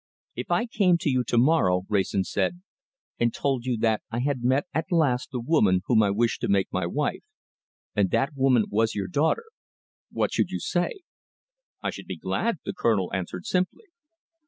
"If I came to you to morrow," Wrayson said, "and told you that I had met at last the woman whom I wished to make my wife, and that woman was your daughter, what should you say?" "I should be glad," the Colonel answered simply.